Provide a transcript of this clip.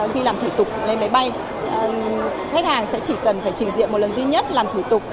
khi làm thủ tục lên máy bay khách hàng sẽ chỉ cần phải trình diện một lần duy nhất làm thủ tục